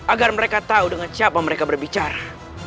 agar mereka tahu dengan siapa mereka berbicara